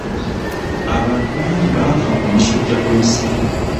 Abantu bangi baafa omusujja gw'ensiri.